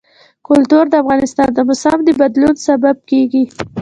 کلتور د افغانستان د موسم د بدلون سبب کېږي.